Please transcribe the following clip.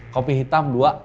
kopi hitam dua